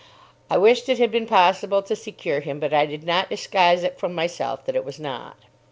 I wished it had been possible to secure him, but I did not disguise it from myself that it was not.